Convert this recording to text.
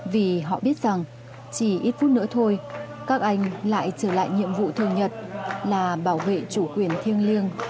vì họ biết rằng chỉ ít phút nữa thôi các anh lại trở lại nhiệm vụ thường nhật là bảo vệ chủ quyền thiêng liêng của tổ quốc